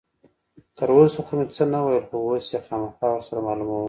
تر اوسه خو مې څه نه ویل، خو اوس یې خامخا ور سره معلوموم.